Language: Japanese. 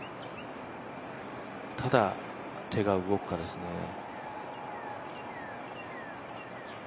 ただ、手が動くかですね。